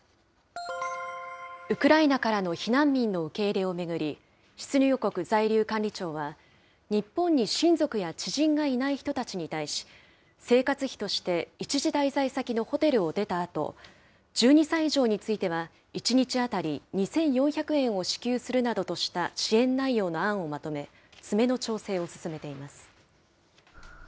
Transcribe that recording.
ウクライナからの避難民の受け入れを巡り、出入国在留管理庁は、日本に親族や知人がいない人たちに対し、生活費として、一時滞在先のホテルを出たあと、１２歳以上については、１日当たり２４００円を支給するなどとした支援内容の案をまとめ、詰めの調整を進めています。